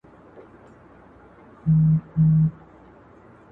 موږ د خپل شرافت په اساس ږغ نکوو.